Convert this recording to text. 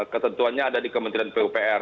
ketentuannya ada di kementerian pupr